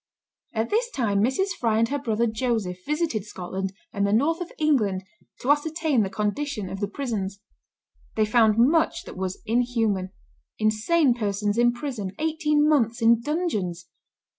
At this time Mrs. Fry and her brother Joseph visited Scotland and the north of England to ascertain the condition of the prisons. They found much that was inhuman; insane persons in prison, eighteen months in dungeons!